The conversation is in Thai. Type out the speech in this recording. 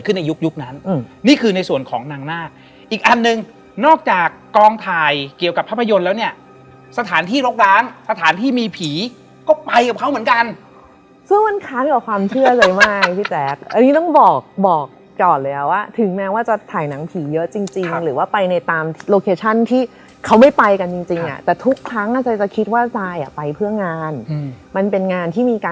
ก็เห็นวันนั้นแล้วก็มาเจอเทปแคสที่เป็นแบบนี้อีก